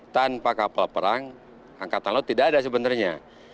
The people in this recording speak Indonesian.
tanpa kapal perang angkatan laut tidak ada sebenarnya